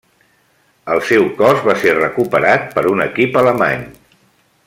El seu cos va ser recuperat per un equip alemany.